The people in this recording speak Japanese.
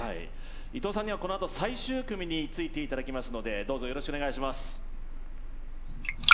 伊藤さんにはこのあと最終組についていただきますので、どうぞよろしくお願いします。